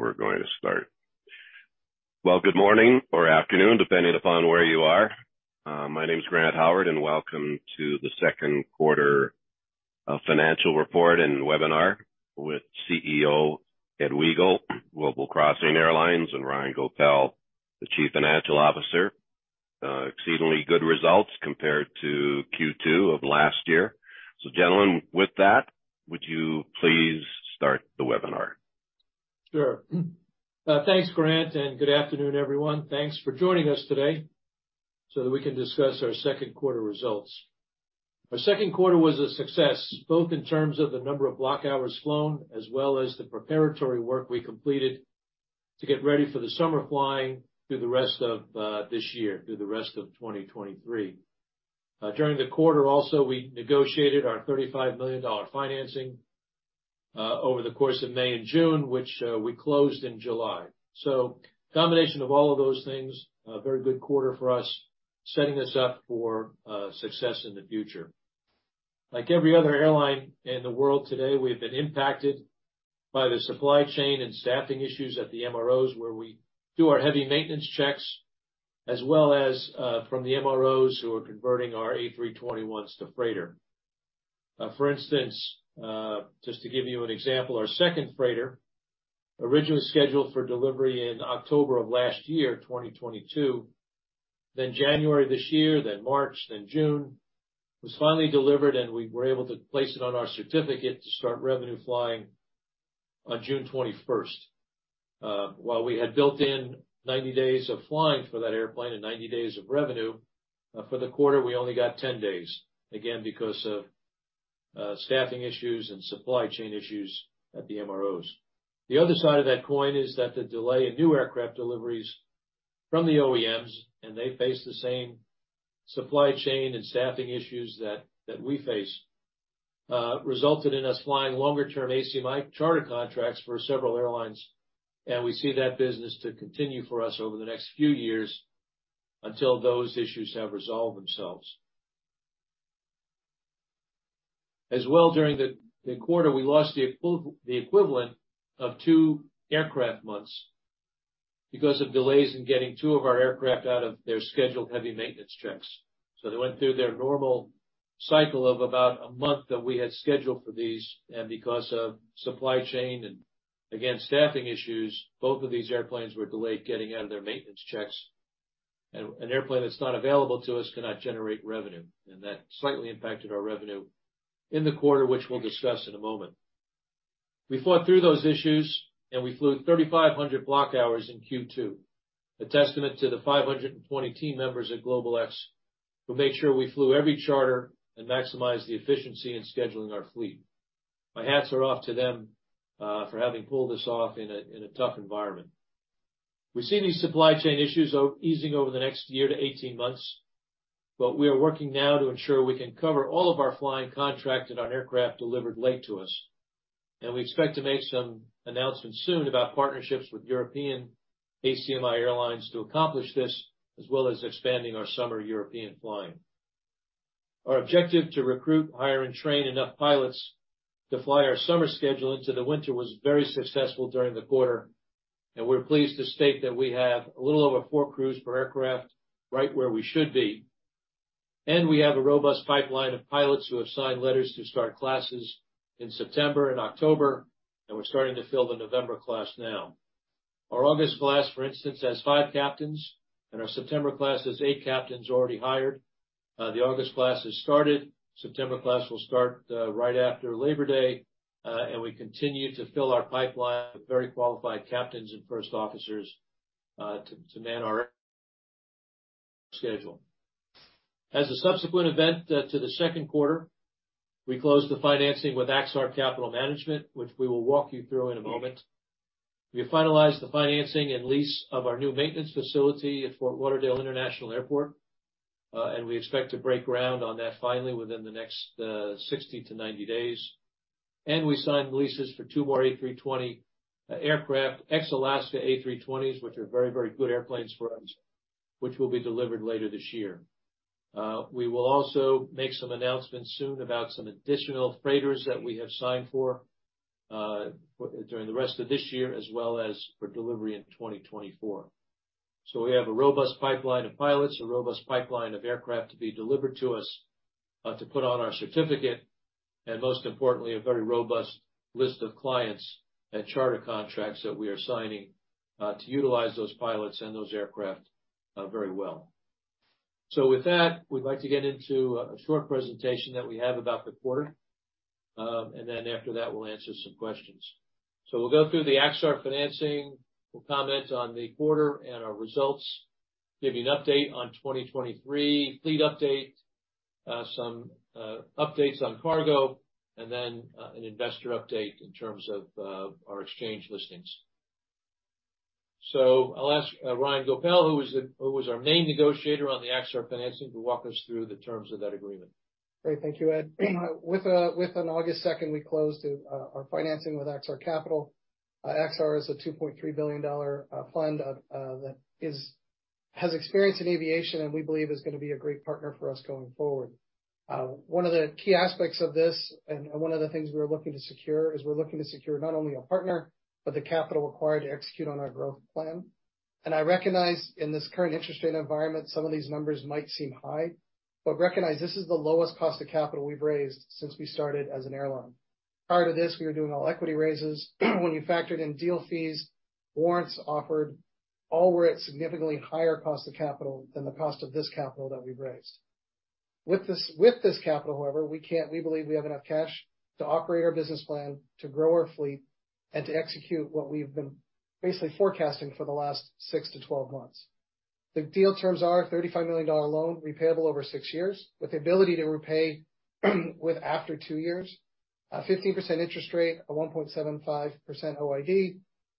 We're going to start. Well, good morning or afternoon, depending upon where you are. My name is Grant Howard, welcome to the second quarter financial report and webinar with CEO Ed Wegel, Global Crossing Airlines, and Ryan Goepel, the Chief Financial Officer. Exceedingly good results compared to Q2 of last year. Gentlemen, with that, would you please start the webinar? Sure. Thanks, Grant, and good afternoon, everyone. Thanks for joining us today so that we can discuss our second quarter results. Our second quarter was a success, both in terms of the number of block hours flown, as well as the preparatory work we completed to get ready for the summer flying through the rest of this year, through the rest of 2023. During the quarter also, we negotiated our $35 million financing over the course of May and June, which we closed in July. Combination of all of those things, a very good quarter for us, setting us up for success in the future. Like every other airline in the world today, we have been impacted by the supply chain and staffing issues at the MROs, where we do our heavy maintenance checks, as well as from the MROs who are converting our A321s to freighter. For instance, just to give you an example, our second freighter, originally scheduled for delivery in October of last year, 2022, then January this year, then March, then June, was finally delivered, and we were able to place it on our certificate to start revenue flying on June 21st. While we had built in 90 days of flying for that airplane and 90 days of revenue for the quarter, we only got 10 days, again, because of staffing issues and supply chain issues at the MROs. The other side of that coin is that the delay in new aircraft deliveries from the OEMs, and they face the same supply chain and staffing issues that, that we face, resulted in us flying longer-term ACMI charter contracts for several airlines. We see that business to continue for us over the next few years until those issues have resolved themselves. As well, during the, the quarter, we lost the equivalent of two aircraft months because of delays in getting two of our aircraft out of their scheduled heavy maintenance checks. They went through their normal cycle of about a month that we had scheduled for these, and because of supply chain and, again, staffing issues, both of these airplanes were delayed getting out of their maintenance checks. An airplane that's not available to us cannot generate revenue, and that slightly impacted our revenue in the quarter, which we'll discuss in a moment. We fought through those issues, we flew 3,500 block hours in Q2, a testament to the 520 team members at GlobalX, who made sure we flew every charter and maximized the efficiency in scheduling our fleet. My hats are off to them for having pulled this off in a tough environment. We've seen these supply chain issues easing over the next year to 18 months, we are working now to ensure we can cover all of our flying contracts and our aircraft delivered late to us. We expect to make some announcements soon about partnerships with European ACMI airlines to accomplish this, as well as expanding our summer European flying. Our objective to recruit, hire, and train enough pilots to fly our summer schedule into the winter was very successful during the quarter, and we're pleased to state that we have a little over four crews per aircraft, right where we should be. We have a robust pipeline of pilots who have signed letters to start classes in September and October, and we're starting to fill the November class now. Our August class, for instance, has five captains, and our September class has eight captains already hired. The August class has started. September class will start right after Labor Day, and we continue to fill our pipeline with very qualified captains and first officers to man our schedule. As a subsequent event to the second quarter, we closed the financing with Axar Capital Management, which we will walk you through in a moment. We finalized the financing and lease of our new maintenance facility at Fort Lauderdale International Airport, and we expect to break ground on that finally within the next 60 to 90 days. We signed leases for two more A320 aircraft, ex-Alaska A320s, which are very, very good airplanes for us, which will be delivered later this year. We will also make some announcements soon about some additional freighters that we have signed for, during the rest of this year, as well as for delivery in 2024. We have a robust pipeline of pilots, a robust pipeline of aircraft to be delivered to us, to put on our certificate, and most importantly, a very robust list of clients and charter contracts that we are signing, to utilize those pilots and those aircraft, very well. With that, we'd like to get into a, a short presentation that we have about the quarter. And then after that, we'll answer some questions. We'll go through the Axar financing. We'll comment on the quarter and our results, give you an update on 2023, fleet update, some updates on cargo, and then an investor update in terms of our exchange listings. I'll ask Ryan Goepel, who was our main negotiator on the Axar financing, to walk us through the terms of that agreement. Great. Thank you, Ed. With on August 2nd, we closed our financing with Axar Capital. Axar is a $2.3 billion fund, that is has experience in aviation, and we believe is going to be a great partner for us going forward. One of the key aspects of this, and one of the things we're looking to secure, is we're looking to secure not only a partner, but the capital required to execute on our growth plan. I recognize in this current interest rate environment, some of these numbers might seem high, but recognize this is the lowest cost of capital we've raised since we started as an airline. Prior to this, we were doing all equity raises. When you factored in deal fees, warrants offered, all were at significantly higher cost of capital than the cost of this capital that we've raised. With this, with this capital, however, we believe we have enough cash to operate our business plan, to grow our fleet, and to execute what we've been basically forecasting for the last six to 12 months. The deal terms are a $35 million loan, repayable over six years, with the ability to repay, with after two years, a 15% interest rate, a 1.75% OID,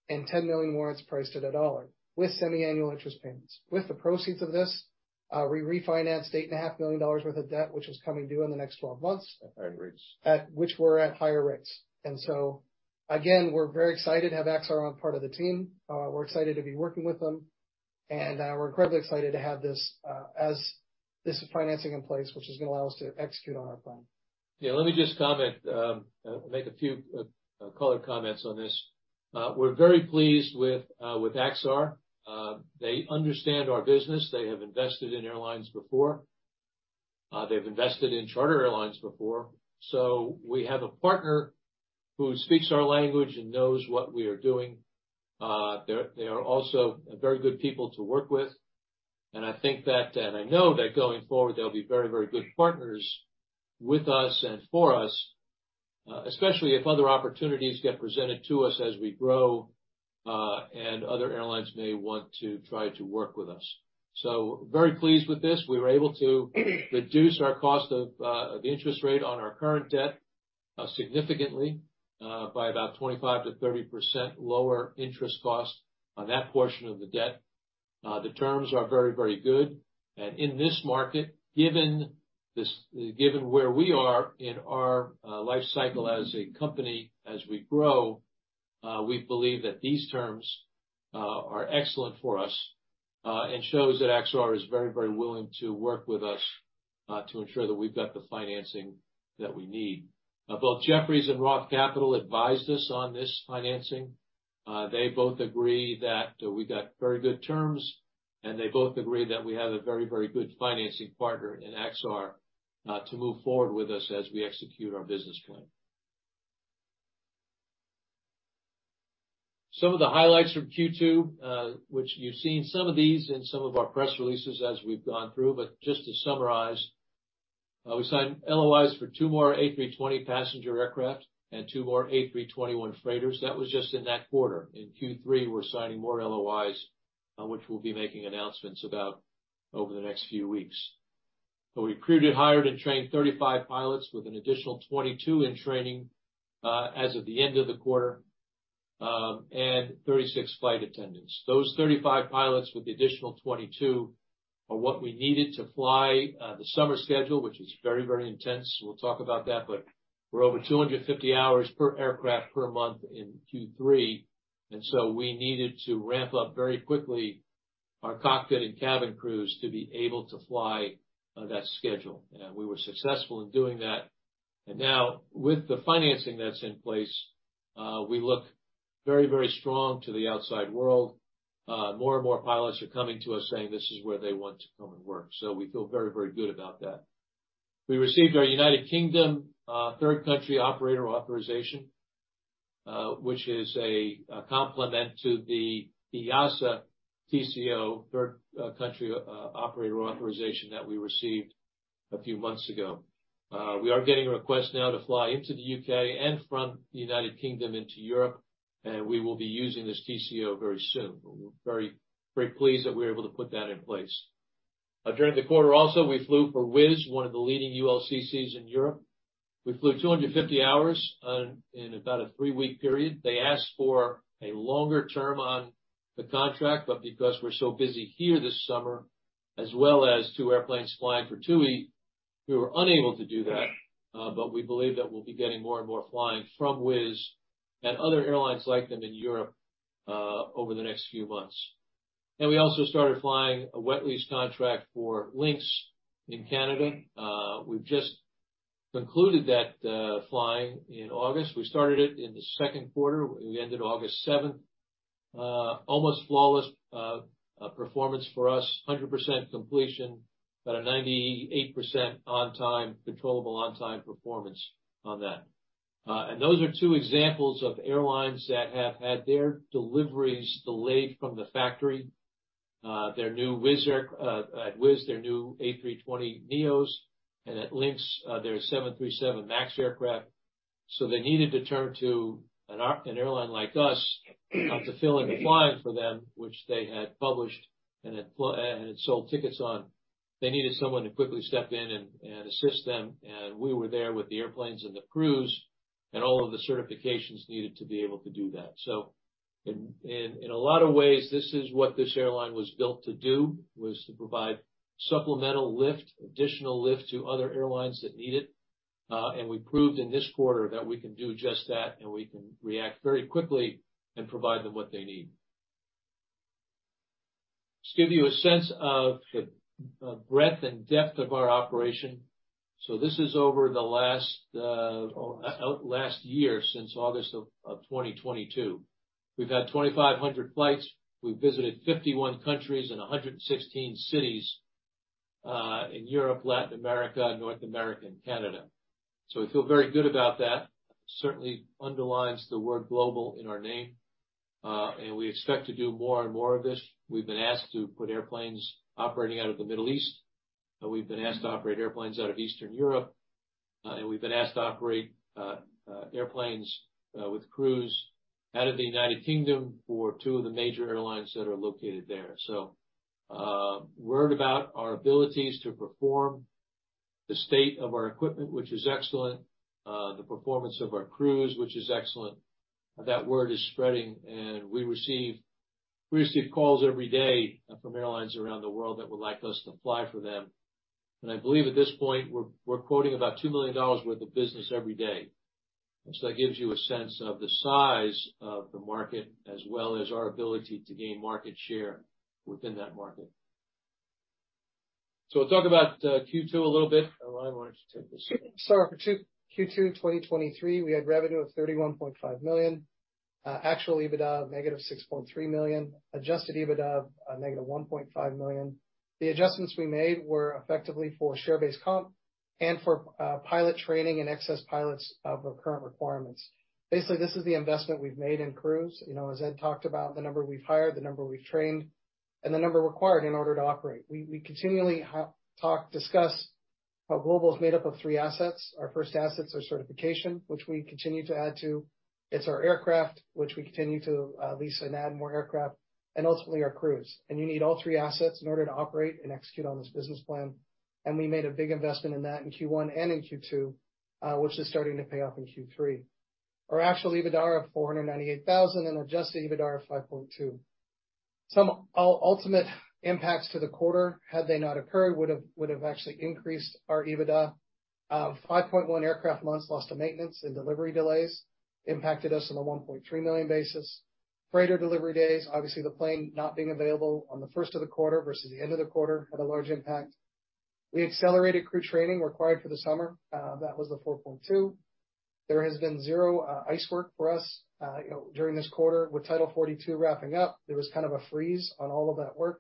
and 10 million warrants priced at a dollar, with semiannual interest payments. With the proceeds of this, we refinanced $8.5 million worth of debt, which was coming due in the next 12 months. At higher rates. Which were at higher rates. Again, we're very excited to have Axar on part of the team. We're excited to be working with them, and we're incredibly excited to have this as this financing in place, which is gonna allow us to execute on our plan. Yeah, let me just comment, make a few color comments on this. We're very pleased with Axar. They understand our business. They have invested in airlines before. They've invested in charter airlines before. We have a partner who speaks our language and knows what we are doing. They are also very good people to work with, and I think that, and I know that going forward, they'll be very, very good partners with us and for us, especially if other opportunities get presented to us as we grow, and other airlines may want to try to work with us. Very pleased with this. We were able to reduce our cost of, of the interest rate on our current debt, significantly, by about 25%-30% lower interest costs on that portion of the debt. The terms are very, very good, and in this market, given this, given where we are in our life cycle as a company, as we grow, we believe that these terms are excellent for us, and shows that Axar is very, very willing to work with us, to ensure that we've got the financing that we need. Both Jefferies and Roth Capital advised us on this financing. They both agree that we got very good terms, and they both agree that we have a very, very good financing partner in Axar, to move forward with us as we execute our business plan. Some of the highlights from Q2, which you've seen some of these in some of our press releases as we've gone through, but just to summarize, we signed LOIs for two more A320 passenger aircraft and two more A321 freighters. That was just in that quarter. In Q3, we're signing more LOIs, on which we'll be making announcements about over the next few weeks. We recruited, hired, and trained 35 pilots, with an additional 22 in training, as of the end of the quarter, and 36 flight attendants. Those 35 pilots, with the additional 22, are what we needed to fly the summer schedule, which is very, very intense. We'll talk about that, but we're over 250 hours per aircraft per month in Q3, and so we needed to ramp up very quickly our cockpit and cabin crews to be able to fly that schedule. We were successful in doing that. Now, with the financing that's in place, we look very, very strong to the outside world. More and more pilots are coming to us saying this is where they want to come and work, so we feel very, very good about that. We received our United Kingdom Third Country Operator authorization, which is a complement to the EASA TCO Third Country Operator authorization that we received a few months ago. We are getting a request now to fly into the U.K. and from the United Kingdom into Europe, and we will be using this TCO very soon. We're very, very pleased that we're able to put that in place. During the quarter also, we flew for Wizz, one of the leading ULCCs in Europe. We flew 250 hours in about a three-week period. They asked for a longer term on the contract, but because we're so busy here this summer, as well as two airplanes flying for TUI, we were unable to do that. We believe that we'll be getting more and more flying from Wizz and other airlines like them in Europe over the next few months. We also started flying a wet lease contract for Lynx in Canada. We've just concluded that flying in August. We started it in the second quarter. We ended August 7th. Almost flawless performance for us, 100% completion, about a 98% on time, controllable on-time performance on that. Those are two examples of airlines that have had their deliveries delayed from the factory, their new Wizz, their new A320neos, and at Lynx, their 737 MAX aircraft. They needed to turn to an airline like us to fill in the flying for them, which they had published and had sold tickets on. They needed someone to quickly step in and assist them, and we were there with the airplanes and the crews and all of the certifications needed to be able to do that. In a lot of ways, this is what this airline was built to do, was to provide supplemental lift, additional lift to other airlines that need it. We proved in this quarter that we can do just that, and we can react very quickly and provide them what they need. Just give you a sense of the breadth and depth of our operation. This is over the last year, since August of 2022. We've had 2,500 flights. We've visited 51 countries and 116 cities in Europe, Latin America, North America, and Canada. We feel very good about that. Certainly underlines the word Global in our name. We expect to do more and more of this. We've been asked to put airplanes operating out of the Middle East. We've been asked to operate airplanes out of Eastern Europe. We've been asked to operate airplanes with crews out of the United Kingdom for two of the major airlines that are located there. Word about our abilities to perform, the state of our equipment, which is excellent, the performance of our crews, which is excellent. That word is spreading, and we receive, we receive calls every day from airlines around the world that would like us to fly for them. I believe at this point, we're, we're quoting about $2 million worth of business every day. That gives you a sense of the size of the market, as well as our ability to gain market share within that market. We'll talk about Q2 a little bit. Ryan, why don't you take this? For Q2 2023, we had revenue of $31.5 million, actual EBITDA negative $6.3 million, adjusted EBITDA negative $1.5 million. The adjustments we made were effectively for share-based comp and for pilot training and excess pilots of our current requirements. Basically, this is the investment we've made in crews, you know, as Ed talked about, the number we've hired, the number we've trained, and the number required in order to operate. We continually talk, discuss how Global is made up of three assets. Our first assets are certification, which we continue to add to. It's our aircraft, which we continue to lease and add more aircraft, and ultimately our crews. You need all three assets in order to operate and execute on this business plan. We made a big investment in that in Q1 and in Q2, which is starting to pay off in Q3. Our actual EBITDA of $498,000 and adjusted EBITDA of $5.2 million. Some ultimate impacts to the quarter, had they not occurred, would've, would've actually increased our EBITDA, 5.1 aircraft months lost to maintenance and delivery delays impacted us on a $1.3 million basis. Freighter delivery days, obviously, the plane not being available on the first of the quarter versus the end of the quarter, had a large impact. We accelerated crew training required for the summer. That was the 4.2% There has been zero ICE work for us, you know, during this quarter. With Title 42 wrapping up, there was kind of a freeze on all of that work.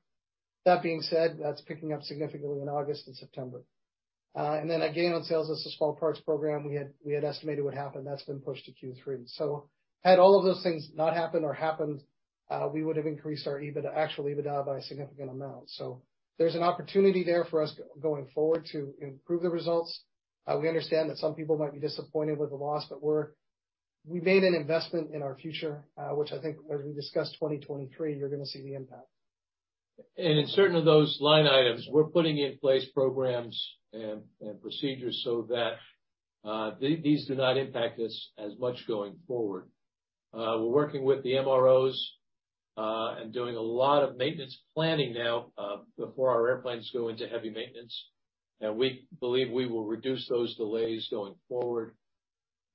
That being said, that's picking up significantly in August and September. Then again, on sales, as a small parts program, we had estimated what happened. That's been pushed to Q3. Had all of those things not happened or happened, we would've increased our EBITDA, actual EBITDA, by a significant amount. There's an opportunity there for us going forward to improve the results. We understand that some people might be disappointed with the loss, we made an investment in our future, which I think as we discuss 2023, you're gonna see the impact. In certain of those line items, we're putting in place programs and, and procedures so that these do not impact us as much going forward. We're working with the MROs, and doing a lot of maintenance planning now, before our airplanes go into heavy maintenance, and we believe we will reduce those delays going forward.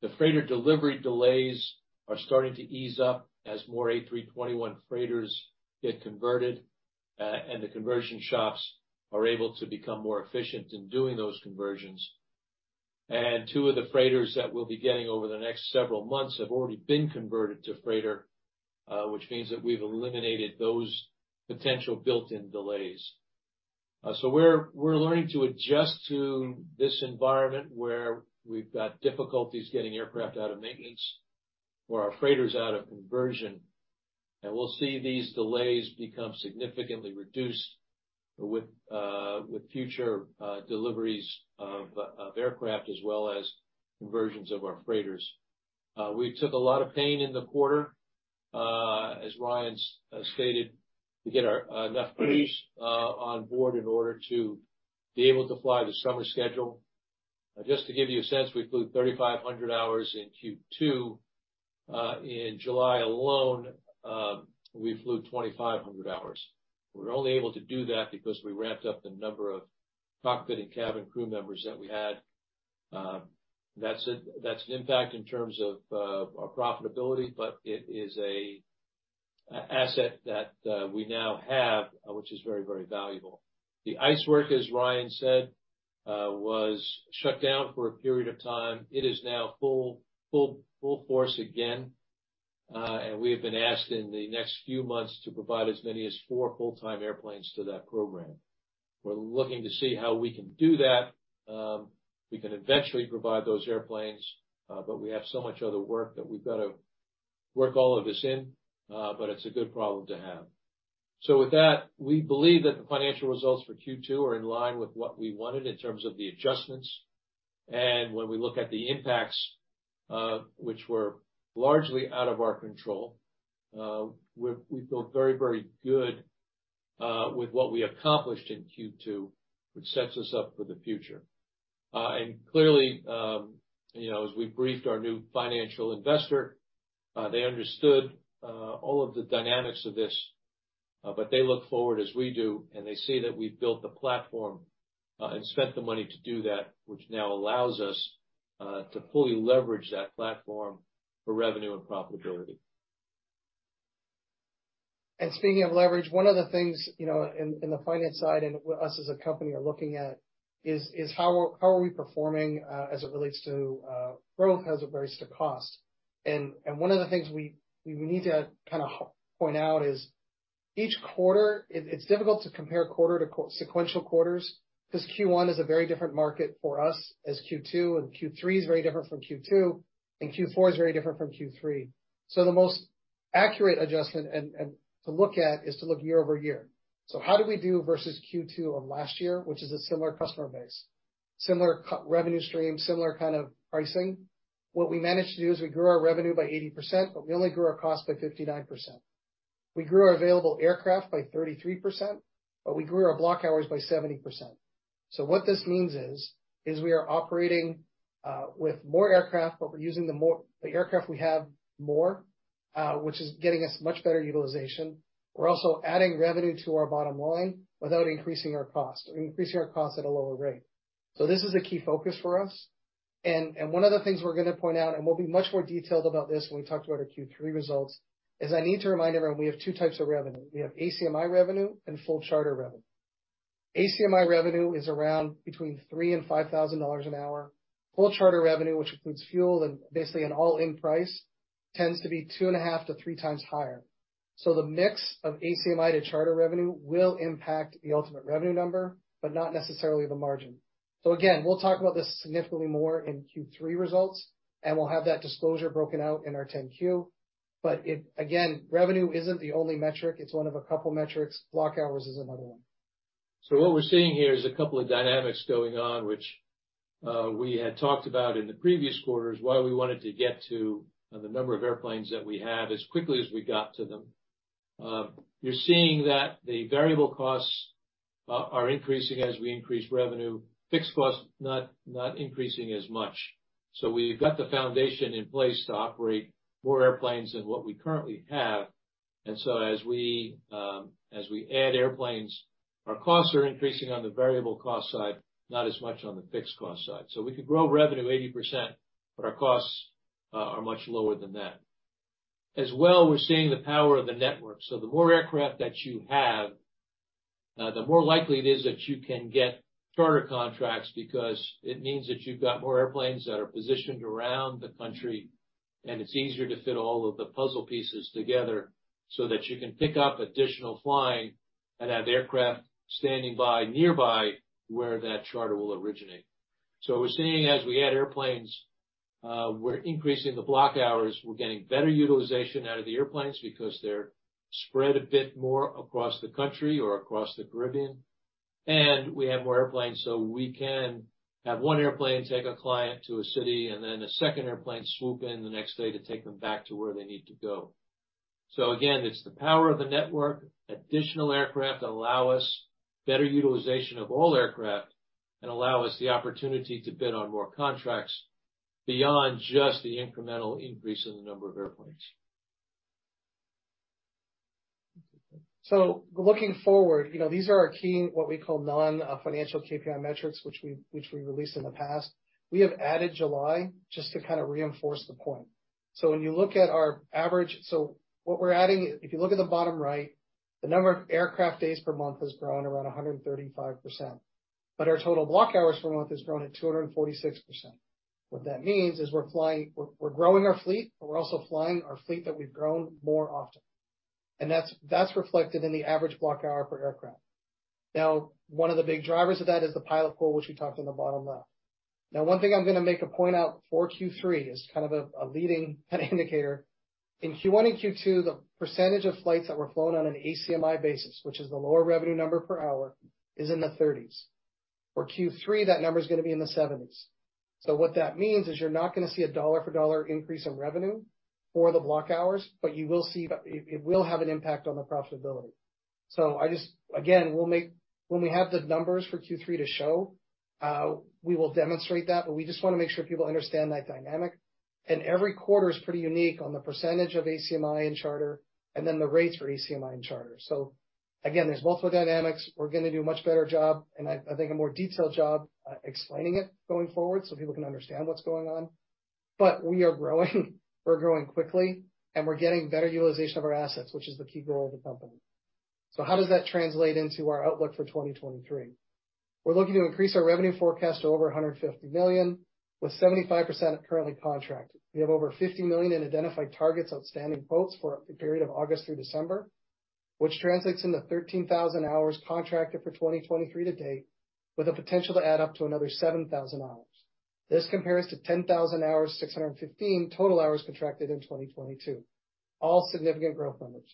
The freighter delivery delays are starting to ease up as more A321 freighters get converted, and the conversion shops are able to become more efficient in doing those conversions. Two of the freighters that we'll be getting over the next several months have already been converted to freighter, which means that we've eliminated those potential built-in delays. So we're, we're learning to adjust to this environment, where we've got difficulties getting aircraft out of maintenance or our freighters out of conversion. We'll see these delays become significantly reduced with future deliveries of aircraft, as well as conversions of our freighters. We took a lot of pain in the quarter, as Ryan's stated, to get our enough crews on board in order to be able to fly the summer schedule. Just to give you a sense, we flew 3,500 hours in Q2. In July alone, we flew 2,500 hours. We're only able to do that because we ramped up the number of cockpit and cabin crew members that we had. That's a, that's an impact in terms of our profitability, but it is a, a asset that we now have, which is very, very valuable. The ICE work, as Ryan said, was shut down for a period of time. It is now full, full, full force again, and we have been asked in the next few months to provide as many as 4 full-time airplanes to that program. We're looking to see how we can do that. We can eventually provide those airplanes, but we have so much other work that we've got to work all of this in, but it's a good problem to have. With that, we believe that the financial results for Q2 are in line with what we wanted in terms of the adjustments. When we look at the impacts, which were largely out of our control, we're, we feel very, very good, with what we accomplished in Q2, which sets us up for the future. Clearly, you know, as we briefed our new financial investor, they understood all of the dynamics of this. They look forward as we do, and they see that we've built the platform, and spent the money to do that, which now allows us to fully leverage that platform for revenue and profitability. Speaking of leverage, one of the things, you know, in, in the finance side and us as a company are looking at is how are we performing as it relates to growth as it relates to cost? One of the things we need to kind of point out is it's difficult to compare quarter to sequential quarters, because Q1 is a very different market for us as Q2, and Q3 is very different from Q2, and Q4 is very different from Q3. The most accurate adjustment and to look at is to look year-over-year. How do we do versus Q2 of last year, which is a similar customer base, similar revenue stream, similar kind of pricing? What we managed to do is we grew our revenue by 80%. We only grew our cost by 59%. We grew our available aircraft by 33%. We grew our block hours by 70%. What this means is, is we are operating with more aircraft, but we're using the aircraft we have more, which is getting us much better utilization. We're also adding revenue to our bottom line without increasing our cost, or increasing our cost at a lower rate. This is a key focus for us. One of the things we're going to point out, and we'll be much more detailed about this when we talk about our Q3 results, is I need to remind everyone, we have two types of revenue. We have ACMI revenue and full charter revenue. ACMI revenue is around between $3,000 and $5,000 an hour. Full charter revenue, which includes fuel and basically an all-in price, tends to be 2.5x to 3x higher. The mix of ACMI to charter revenue will impact the ultimate revenue number, but not necessarily the margin. Again, we'll talk about this significantly more in Q3 results, and we'll have that disclosure broken out in our 10-Q. Again, revenue isn't the only metric, it's one of a couple metrics. Block hours is another one. What we're seeing here is a couple of dynamics going on, which we had talked about in the previous quarters, why we wanted to get to the number of airplanes that we have as quickly as we got to them. You're seeing that the variable costs are increasing as we increase revenue. Fixed costs, not, not increasing as much. We've got the foundation in place to operate more airplanes than what we currently have. As we, as we add airplanes, our costs are increasing on the variable cost side, not as much on the fixed cost side. We could grow revenue 80%, but our costs are much lower than that. As well, we're seeing the power of the network. The more aircraft that you have, the more likely it is that you can get charter contracts, because it means that you've got more airplanes that are positioned around the country, and it's easier to fit all of the puzzle pieces together so that you can pick up additional flying and have aircraft standing by nearby where that charter will originate. We're seeing as we add airplanes, we're increasing the block hours. We're getting better utilization out of the airplanes because they're spread a bit more across the country or across the Caribbean. We have more airplanes, so we can have one airplane take a client to a city, and then a second airplane swoop in the next day to take them back to where they need to go. Again, it's the power of the network. Additional aircraft allow us better utilization of all aircraft and allow us the opportunity to bid on more contracts beyond just the incremental increase in the number of airplanes. Looking forward, you know, these are our key, what we call non-financial KPI metrics, which we released in the past. We have added July just to kind of reinforce the point. When you look at our what we're adding, if you look at the bottom right, the number of aircraft days per month has grown around 135%, but our total block hours per month has grown at 246%. What that means is we're flying, we're growing our fleet, but we're also flying our fleet that we've grown more often, and that's reflected in the average block hour per aircraft. One of the big drivers of that is the pilot pool, which we talked on the bottom left. One thing I'm going to make a point out for Q3 is kind of a, a leading indicator. In Q1 and Q2, the percentage of flights that were flown on an ACMI basis, which is the lower revenue number per hour, is in the 30s. For Q3, that number is going to be in the 70s. What that means is you're not going to see a dollar for dollar increase in revenue for the block hours, but you will see it, it will have an impact on the profitability. I just... when we have the numbers for Q3 to show, we will demonstrate that, but we just want to make sure people understand that dynamic. Every quarter is pretty unique on the percentage of ACMI and charter, and then the rates for ACMI and charter. Again, there's multiple dynamics. We're going to do a much better job, I think, a more detailed job, explaining it going forward so people can understand what's going on. We are growing, we're growing quickly, and we're getting better utilization of our assets, which is the key goal of the company. How does that translate into our outlook for 2023? We're looking to increase our revenue forecast to over $150 million, with 75% currently contracted. We have over $50 million in identified targets, outstanding quotes for the period of August through December, which translates into 13,000 hours contracted for 2023 to date, with a potential to add up to another 7,000 hours. This compares to 10,000 hours, 615 total hours contracted in 2022, all significant growth numbers.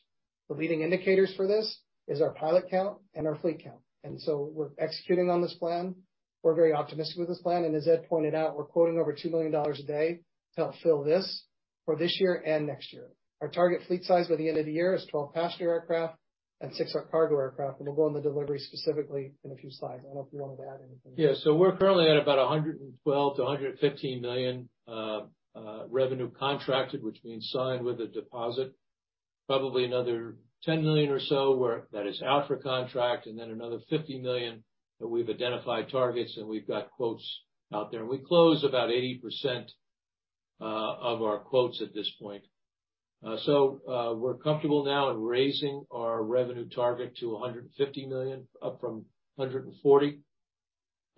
The leading indicators for this is our pilot count and our fleet count. So we're executing on this plan. We're very optimistic with this plan. As Ed pointed out, we're quoting over $2 million a day to help fill this for this year and next year. Our target fleet size by the end of the year is 12 passenger aircraft and six are cargo aircraft. We'll go on the delivery specifically in a few slides. I don't know if you wanted to add anything. Yeah. We're currently at about $112 million-$115 million revenue contracted, which means signed with a deposit. probably another $10 million or so where that is out for contract, and then another $50 million that we've identified targets, and we've got quotes out there. We close about 80% of our quotes at this point. We're comfortable now in raising our revenue target to $150 million, up from $140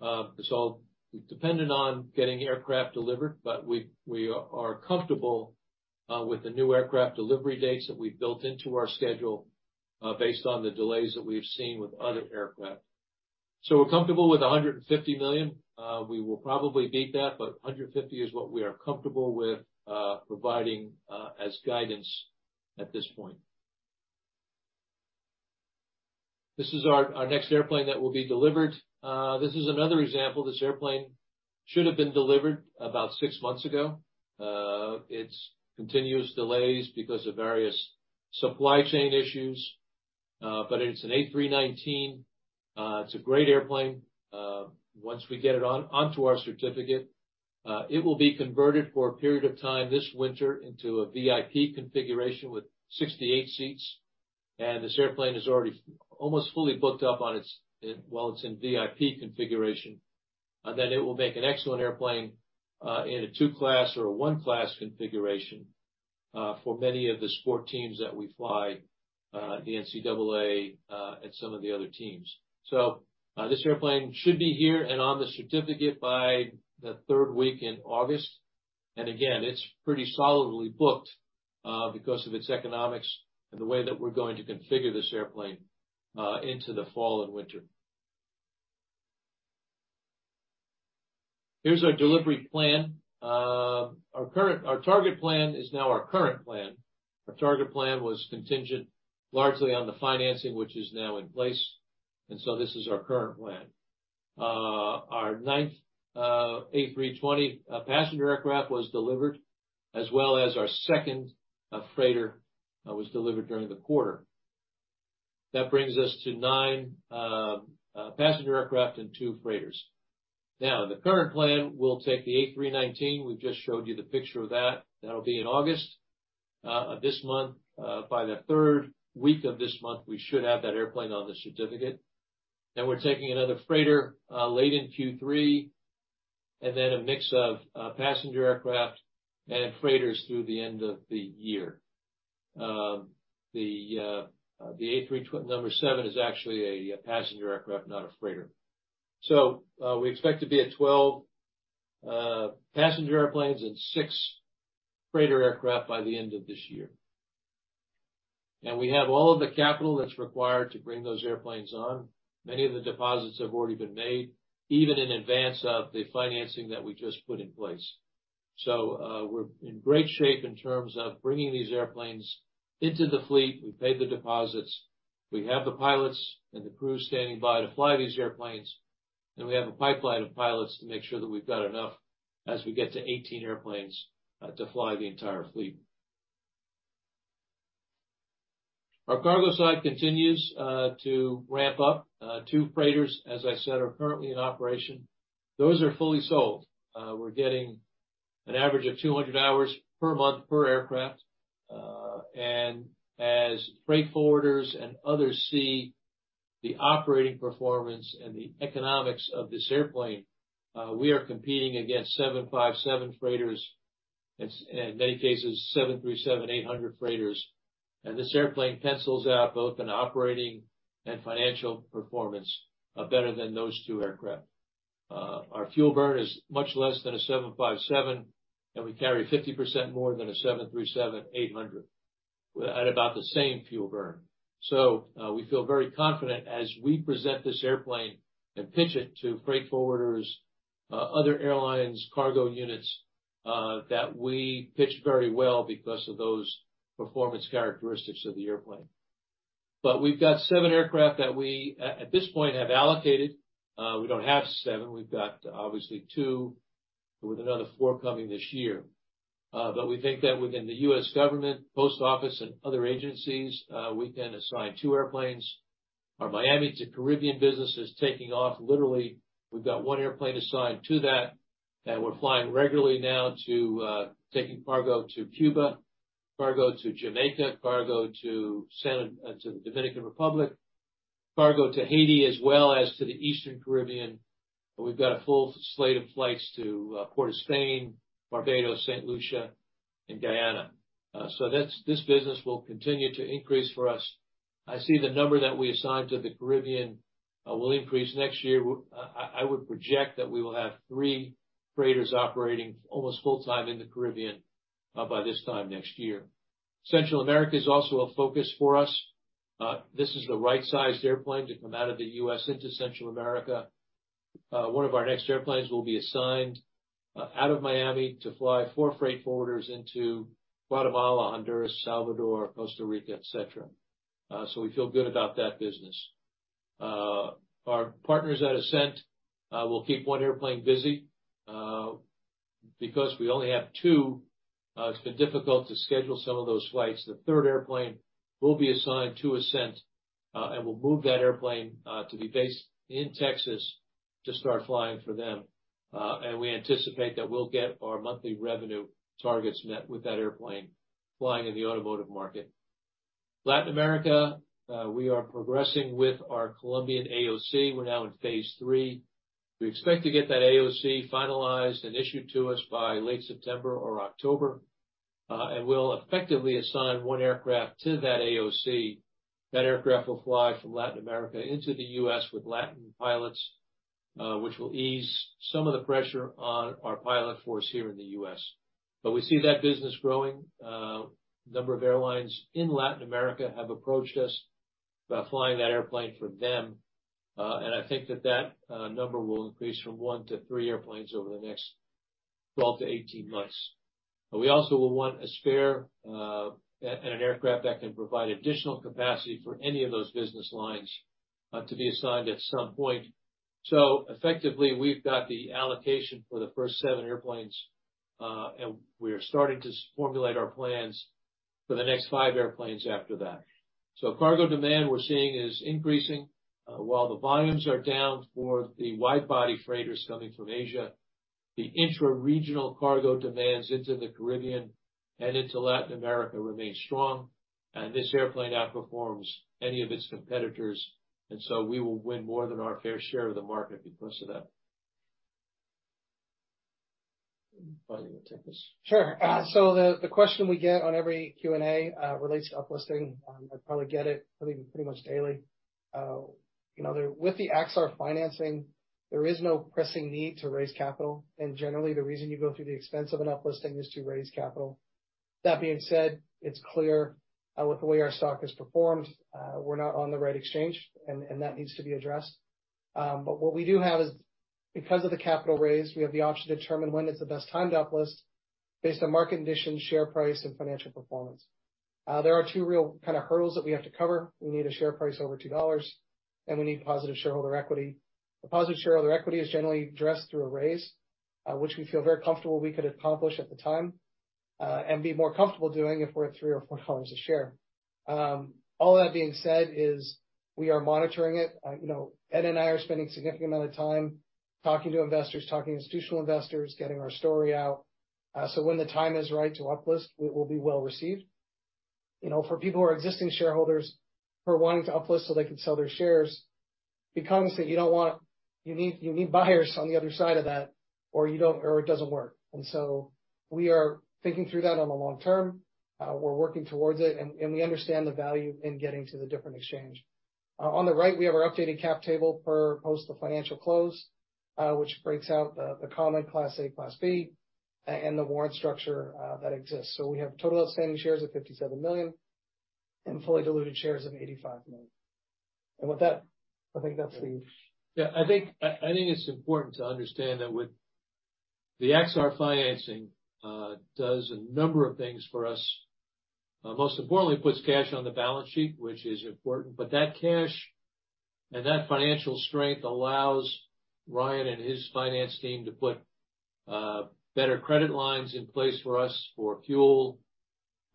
million. Dependent on getting aircraft delivered, but we, we are comfortable with the new aircraft delivery dates that we've built into our schedule, based on the delays that we've seen with other aircraft. We're comfortable with $150 million. We will probably beat that, $150 million is what we are comfortable with providing as guidance at this point. This is our next airplane that will be delivered. This is another example. This airplane should have been delivered about six months ago. It's continuous delays because of various supply chain issues, it's an A319. It's a great airplane. Once we get it on, onto our certificate, it will be converted for a period of time this winter into a VIP configuration with 68 seats. This airplane is already almost fully booked up while it's in VIP configuration. It will make an excellent airplane in a two-class or a one-class configuration for many of the sport teams that we fly, NCAA, and some of the other teams. This airplane should be here and on the certificate by the third week in August. Again, it's pretty solidly booked, because of its economics and the way that we're going to configure this airplane, into the fall and winter. Here's our delivery plan. Our target plan is now our current plan. Our target plan was contingent largely on the financing, which is now in place, this is our current plan. Our ninth A320 passenger aircraft was delivered, as well as our second freighter, was delivered during the quarter. That brings us to nine passenger aircraft and two freighters. The current plan, we'll take the A319. We've just showed you the picture of that. That'll be in August, this month. By the third week of this month, we should have that airplane on the certificate. We're taking another freighter late in Q3, and then a mix of passenger aircraft and freighters through the end of the year. The A320 number seven is actually a passenger aircraft, not a freighter. We expect to be at 12 passenger airplanes and six freighter aircraft by the end of this year. We have all of the capital that's required to bring those airplanes on. Many of the deposits have already been made, even in advance of the financing that we just put in place. We're in great shape in terms of bringing these airplanes into the fleet. We've paid the deposits. We have the pilots and the crews standing by to fly these airplanes, and we have a pipeline of pilots to make sure that we've got enough as we get to 18 airplanes to fly the entire fleet. Our cargo side continues to ramp up. Two freighters, as I said, are currently in operation. Those are fully sold. We're getting an average of 200 hours per month per aircraft. As freight forwarders and others see the operating performance and the economics of this airplane, we are competing against 757 freighters and, in many cases, 737-800 freighters. This airplane pencils out both in operating and financial performance better than those two aircraft. Our fuel burn is much less than a 757, and we carry 50% more than a 737-800 at about the same fuel burn. We feel very confident as we present this airplane and pitch it to freight forwarders, other airlines, cargo units, that we pitch very well because of those performance characteristics of the airplane. We've got seven aircraft that we, at this point, have allocated. We don't have seven. We've got, obviously, two, with another four coming this year. We think that within the U.S. government, post office, and other agencies, we've then assigned two airplanes. Our Miami to Caribbean business is taking off, literally. We've got one airplane assigned to that, and we're flying regularly now to taking cargo to Cuba, cargo to Jamaica, cargo to the Dominican Republic, cargo to Haiti, as well as to the Eastern Caribbean. We've got a full slate of flights to Port of Spain, Barbados, St. Lucia, and Guyana. This business will continue to increase for us. I see the number that we assigned to the Caribbean will increase next year. I would project that we will have three freighters operating almost full time in the Caribbean by this time next year. Central America is also a focus for us. This is the right-sized airplane to come out of the U.S. into Central America. One of our next airplanes will be assigned out of Miami to fly four freight forwarders into Guatemala, Honduras, El Salvador, Costa Rica, et cetera. We feel good about that business. Our partners at Ascent will keep one airplane busy. Because we only have two, it's been difficult to schedule some of those flights. The third airplane will be assigned to Ascent, and we'll move that airplane to be based in Texas to start flying for them. We anticipate that we'll get our monthly revenue targets met with that airplane flying in the automotive market. Latin America, we are progressing with our Colombian AOC. We're now in Phase 3. We expect to get that AOC finalized and issued to us by late September or October, and we'll effectively assign 1 aircraft to that AOC. That aircraft will fly from Latin America into the U.S. with Latin pilots, which will ease some of the pressure on our pilot force here in the U.S. We see that business growing. es in Latin America have approached us about flying that airplane for them, and I think that that number will increase from one to three airplanes over the next 12 to 18 months. But we also will want a spare, and an aircraft that can provide additional capacity for any of those business lines to be assigned at some point. So effectively, we've got the allocation for the first seven airplanes, and we are starting to formulate our plans for the next five airplanes after that. So cargo demand we're seeing is increasing While the volumes are down for the wide-body freighters coming from Asia, the intra-regional cargo demands into the Caribbean and into Latin America remain strong, and this airplane outperforms any of its competitors, and so we will win more than our fair share of the market because of that. Ryan, you want to take this? Sure. The question we get on every Q&A relates to uplisting, I probably get it pretty, pretty much daily. You know, with the Axar financing, there is no pressing need to raise capital, and generally, the reason you go through the expense of an uplisting is to raise capital. That being said, it's clear, with the way our stock has performed, we're not on the right exchange, and that needs to be addressed. What we do have is, because of the capital raised, we have the option to determine when it's the best time to uplist based on market conditions, share price, and financial performance. There are two real kind of hurdles that we have to cover. We need a share price over $2, and we need positive shareholder equity. A positive shareholder equity is generally addressed through a raise, which we feel very comfortable we could accomplish at the time, and be more comfortable doing if we're at $3 or $4 a share. All that being said is we are monitoring it. You know, Ed and I are spending a significant amount of time talking to investors, talking to institutional investors, getting our story out, so when the time is right to uplist, we will be well-received. You know, for people who are existing shareholders who are wanting to uplist so they can sell their shares, be conscious that you don't want, you need, you need buyers on the other side of that, or you don't, or it doesn't work. So we are thinking through that on the long term. We're working towards it, we understand the value in getting to the different exchange. On the right, we have our updated cap table per post the financial close, which breaks out the, the common Class A, Class B, and the warrant structure that exists. We have total outstanding shares of $57 million and fully diluted shares of $85 million. With that, I think that's finish. Yeah, I think, I, I think it's important to understand that. The Axar financing does a number of things for us. Most importantly, it puts cash on the balance sheet, which is important. That cash and that financial strength allows Ryan and his finance team to put better credit lines in place for us for fuel,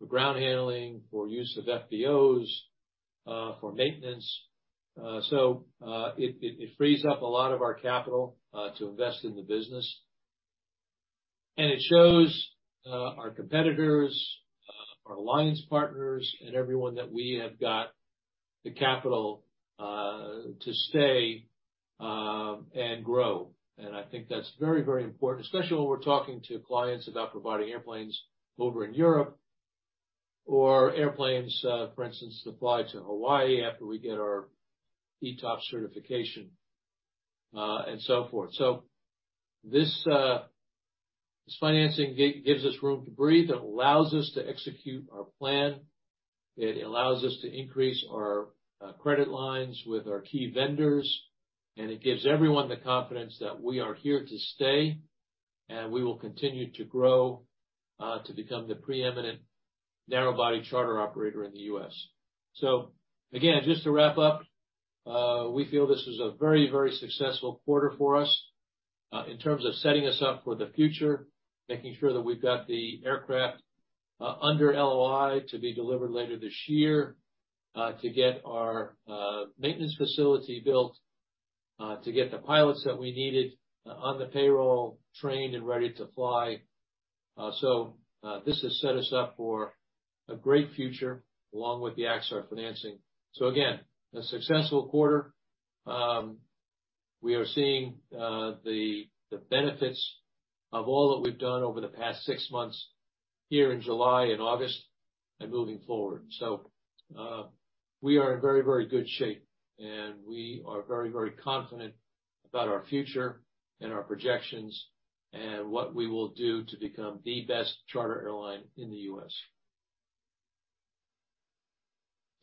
for ground handling, for use of FBOs, for maintenance. It frees up a lot of our capital to invest in the business, and it shows our competitors, our alliance partners and everyone that we have got the capital to stay and grow. I think that's very, very important, especially when we're talking to clients about providing airplanes over in Europe or airplanes, for instance, to fly to Hawaii after we get our ETOPS certification, and so forth. This financing gives us room to breathe. It allows us to execute our plan, it allows us to increase our credit lines with our key vendors, and it gives everyone the confidence that we are here to stay, and we will continue to grow to become the preeminent narrow-body charter operator in the U.S. Again, just to wrap up, we feel this is a very, very successful quarter for us, in terms of setting us up for the future, making sure that we've got the aircraft under LOI to be delivered later this year, to get our maintenance facility built, to get the pilots that we needed on the payroll, trained and ready to fly. This has set us up for a great future along with the Axar financing. Again, a successful quarter. We are seeing the benefits of all that we've done over the past six months here in July and August and moving forward. We are in very, very good shape, and we are very, very confident about our future and our projections and what we will do to become the best charter airline in the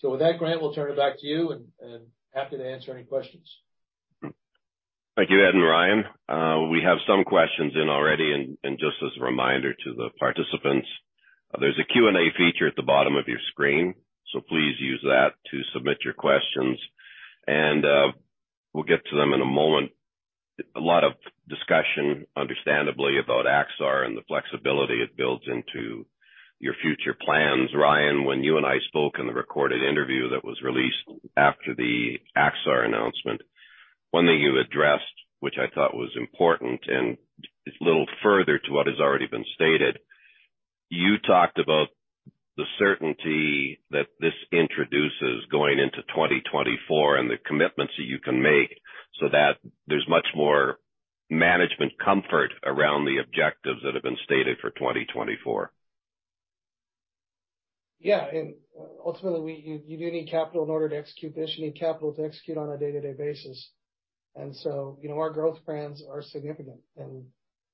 U.S. With that, Grant, we'll turn it back to you, and happy to answer any questions. Thank you, Ed and Ryan. We have some questions in already, and just as a reminder to the participants, there's a Q&A feature at the bottom of your screen, so please use that to submit your questions, and we'll get to them in a moment. A lot of discussion, understandably, about Axar and the flexibility it builds into your future plans. Ryan, when you and I spoke in the recorded interview that was released after the Axar announcement. One thing you addressed, which I thought was important, and it's little further to what has already been stated. You talked about the certainty that this introduces going into 2024 and the commitments that you can make so that there's much more management comfort around the objectives that have been stated for 2024? Yeah, ultimately, we, you, you do need capital in order to execute the mission, and capital to execute on a day-to-day basis. You know, our growth plans are significant, and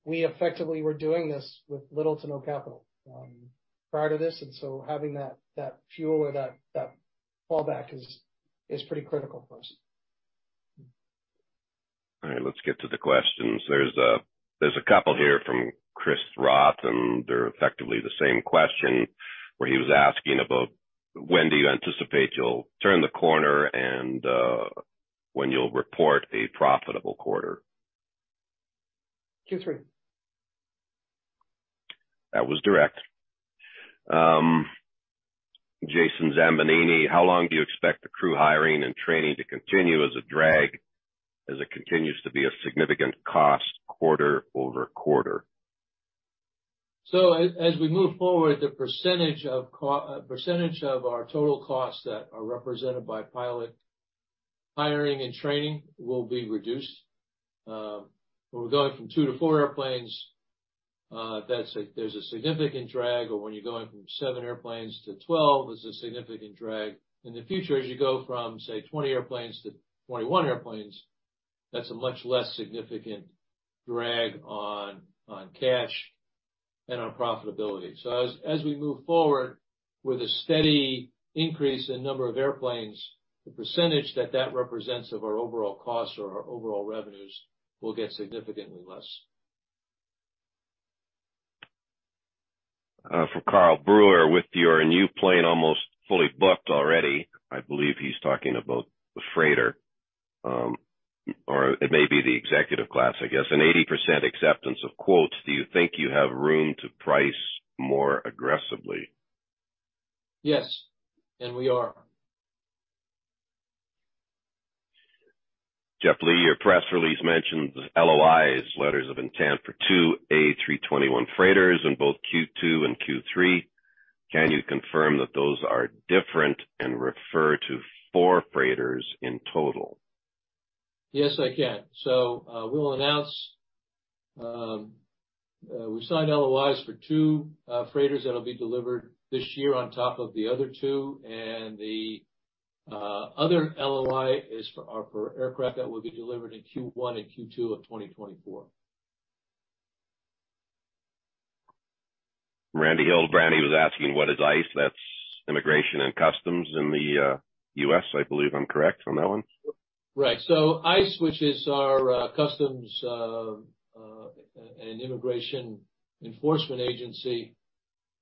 we effectively were doing this with little to no capital prior to this, and so having that, that fuel or that, that fallback is, is pretty critical for us. All right, let's get to the questions. There's a couple here from Chris Roth, and they're effectively the same question, where he was asking about: When do you anticipate you'll turn the corner and, when you'll report a profitable quarter? Q3. That was direct. Jason Zambanini, how long do you expect the crew hiring and training to continue as a drag, as it continues to be a significant cost quarter-over-quarter? As we move forward, the percentage of percentage of our total costs that are represented by pilot hiring and training will be reduced. When we're going from two to four airplanes, that's there's a significant drag, or when you're going from seven airplanes to 12, there's a significant drag. In the future, as you go from, say, 20 airplanes to 21 airplanes, that's a much less significant drag on, on cash and on profitability. As, as we move forward with a steady increase in number of airplanes, the percentage that that represents of our overall costs or our overall revenues will get significantly less. From Karl Brewer, with your new plane almost fully booked already. I believe he's talking about the freighter, or it may be the executive class, I guess, an 80% acceptance of quotes, do you think you have room to price more aggressively? Yes, we are. Jeff Lee, your press release mentions LOIs, letters of intent for two A321 freighters in both Q2 and Q3. Can you confirm that those are different and refer to four freighters in total? Yes, I can. We'll announce, we've signed LOIs for two freighters that'll be delivered this year on top of the other two, and the other LOI is for our, for aircraft that will be delivered in Q1 and Q2 of 2024. Randy Hill. Randy was asking, what is ICE? That's Immigration and Customs in the U.S., I believe I'm correct on that one. Right. ICE, which is our, customs, and immigration enforcement agency,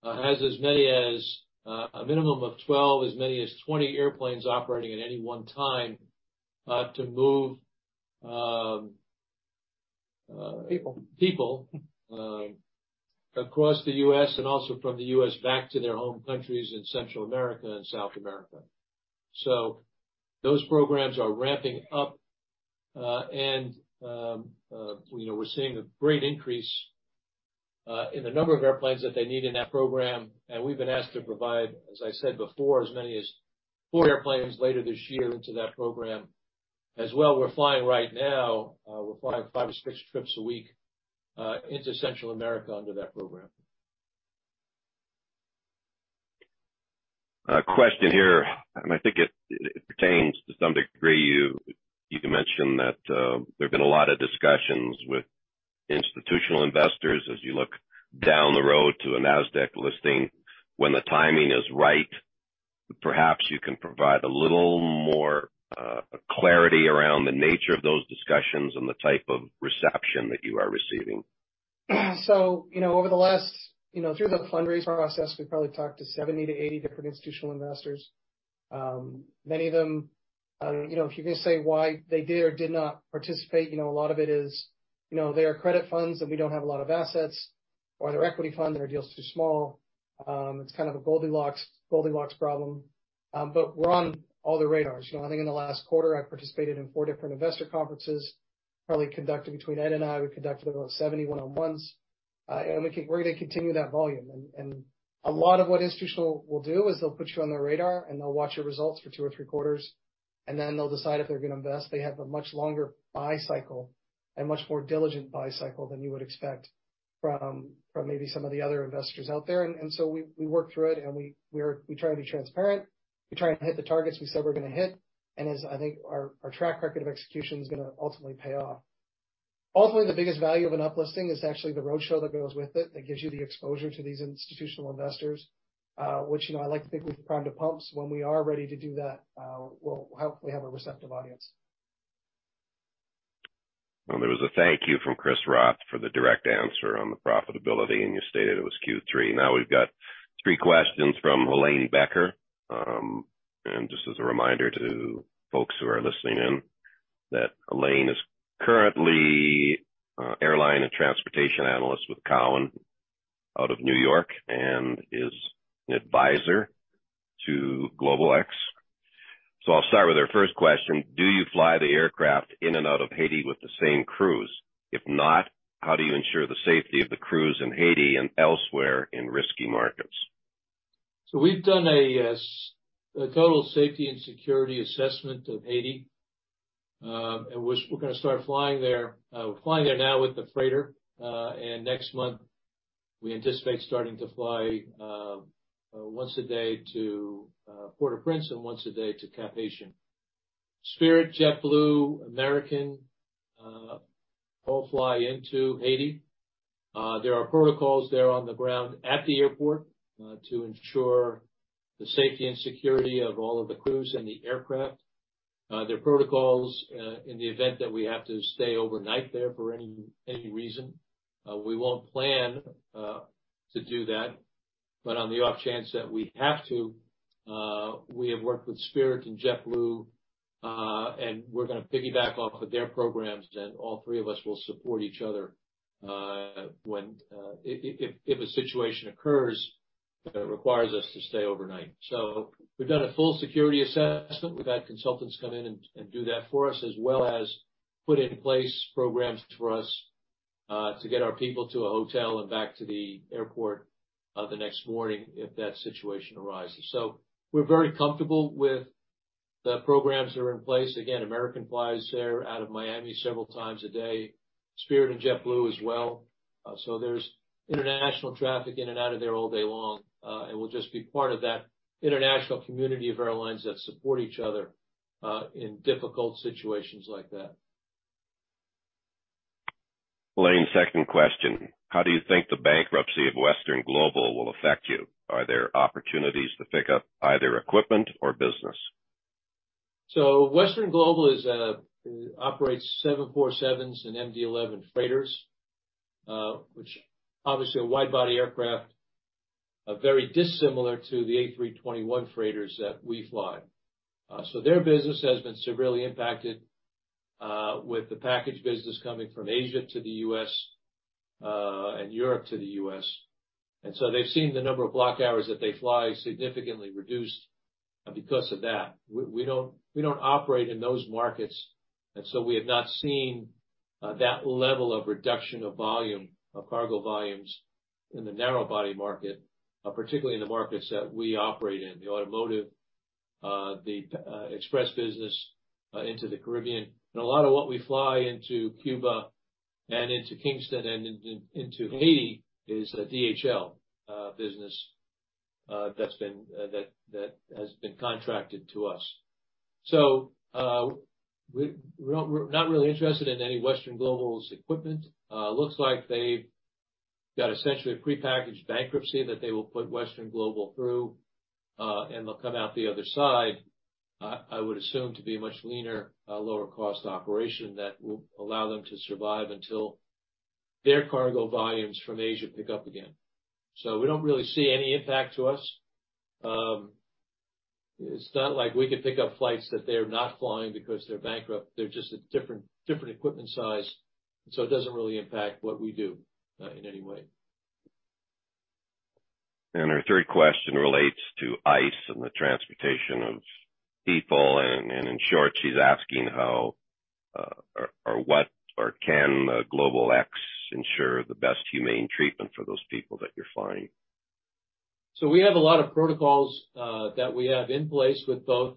has as many as, a minimum of 12, as many as 20 airplanes operating at any one time, to move, people, people, across the U.S. and also from the U.S. back to their home countries in Central America and South America. Those programs are ramping up. You know, we're seeing a great increase, in the number of airplanes that they need in that program, and we've been asked to provide, as I said before, as many as four airplanes later this year into that program. We're flying right now, we're flying five to six trips a week, into Central America under that program. A question here, and I think it, it pertains to some degree, you, you mentioned that, there have been a lot of discussions with institutional investors as you look down the road to a Nasdaq listing when the timing is right. Perhaps you can provide a little more clarity around the nature of those discussions and the type of reception that you are receiving. You know, over the last, you know, through the fundraise process, we probably talked to 70 to 80 different institutional investors. Many of them, you know, if you're going to say why they did or did not participate, you know, a lot of it is, you know, they are credit funds, and we don't have a lot of assets, or they're equity funds, and our deal is too small. It's kind of a Goldilocks, Goldilocks problem. We're on all the radars. You know, I think in the last quarter, I participated in four different investor conferences, probably conducted between Ed and I, we conducted about 70 one-on-ones. We're gonna continue that volume. A lot of what institutional will do is they'll put you on their radar, and they'll watch your results for two or three quarters, and then they'll decide if they're going to invest. They have a much longer buy cycle and much more diligent buy cycle than you would expect from maybe some of the other investors out there. So we, we work through it, and we, we try to be transparent. We try and hit the targets we said we're gonna hit. As I think our, our track record of execution is gonna ultimately pay off. Ultimately, the biggest value of an uplisting is actually the roadshow that goes with it, that gives you the exposure to these institutional investors, which, you know, I like to think we can prime the pumps when we are ready to do that, we'll hopefully have a receptive audience. Well, there was a thank you from Chris Roth for the direct answer on the profitability, and you stated it was Q3. Now we've got three questions from Helane Becker. Just as a reminder to folks who are listening in, that Helane Becker is currently airline and transportation analyst with Cowen out of New York and is an advisor to GlobalX. I'll start with their first question: Do you fly the aircraft in and out of Haiti with the same crews? If not, how do you ensure the safety of the crews in Haiti and elsewhere in risky markets? We've done a total safety and security assessment of Haiti, and we're gonna start flying there. We're flying there now with the freighter, and next month, we anticipate starting to fly once a day to Port-au-Prince and once a day to Cap-Haitien. Spirit, JetBlue, American, all fly into Haiti. There are protocols there on the ground at the airport to ensure the safety and security of all of the crews and the aircraft. There are protocols in the event that we have to stay overnight there for any, any reason. We won't plan to do that, but on the off chance that we have to, we have worked with Spirit and JetBlue, and we're gonna piggyback off of their programs, and all three of us will support each other when if a situation occurs that requires us to stay overnight. We've done a full security assessment. We've had consultants come in and do that for us, as well as put in place programs for us to get our people to a hotel and back to the airport the next morning if that situation arises. We're very comfortable with the programs that are in place. Again, American flies there out of Miami several times a day, Spirit and JetBlue as well. There's international traffic in and out of there all day long, and we'll just be part of that international community of airlines that support each other, in difficult situations like that. Helane, second question: How do you think the bankruptcy of Western Global will affect you? Are there opportunities to pick up either equipment or business? Western Global is, operates 747s and MD-11 freighters, which obviously are wide-body aircraft, are very dissimilar to the A321 freighters that we fly. Their business has been severely impacted, with the package business coming from Asia to the U.S., and Europe to the U.S. They've seen the number of block hours that they fly significantly reduced because of that. We, we don't, we don't operate in those markets, and so we have not seen that level of reduction of volume, of cargo volumes in the narrow-body market, particularly in the markets that we operate in, the automotive, the express business, into the Caribbean. A lot of what we fly into Cuba and into Kingston and in, in, into Haiti is a DHL business that's been that that has been contracted to us. We're not really interested in any Western Global's equipment. It looks like they've got essentially a prepackaged bankruptcy that they will put Western Global through and they'll come out the other side, I would assume to be a much leaner, lower-cost operation that will allow them to survive until their cargo volumes from Asia pick up again. We don't really see any impact to us. It's not like we can pick up flights that they're not flying because they're bankrupt. They're just a different, different equipment size, so it doesn't really impact what we do in any way. Our third question relates to ICE and the transportation of people, and in short, she's asking how, or what or can GlobalX ensure the best humane treatment for those people that you're flying? We have a lot of protocols that we have in place with both,